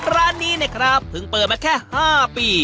ร้านนี้นะครับเพิ่งเปิดมาแค่๕ปี